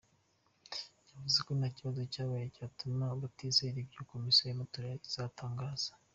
Yavuze ko nta kibazo cyabaye cyatuma batizera ibyo Komisiyo y’amatora izatangaza.